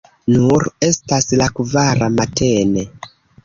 Nur estas la kvara matene.